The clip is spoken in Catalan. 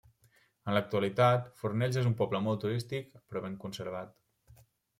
En l'actualitat, Fornells és un poble molt turístic, però ben conservat.